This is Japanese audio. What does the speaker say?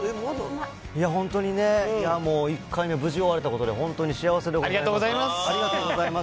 いや、本当にね、もう１回目、無事終われたことで本当に幸せでごありがとうございます。